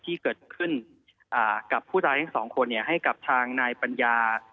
ที่เกิดขึ้นกับผู้ตายทั้งสองคนให้กับทางนายปัญญา